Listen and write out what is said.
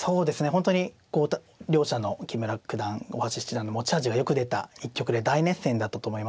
本当に両者の木村九段大橋七段の持ち味がよく出た一局で大熱戦だったと思いますね。